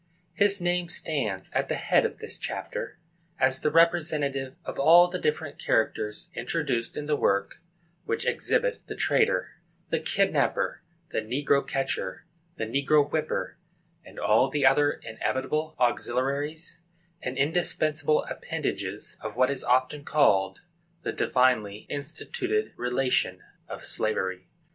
His name stands at the head of this chapter as the representative of all the different characters introduced in the work which exhibit the trader, the kidnapper, the negro catcher, the negro whipper, and all the other inevitable auxiliaries and indispensable appendages of what is often called the "divinely instituted relation" of slavery.